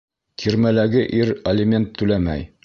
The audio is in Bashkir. Төрмәләге ир алимент түләмәй